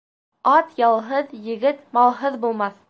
Ат ялһыҙ, егет малһыҙ булмаҫ.